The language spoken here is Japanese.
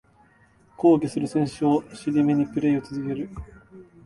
抗議する選手を尻目にプレイを続ける